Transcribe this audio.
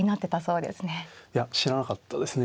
いや知らなかったですね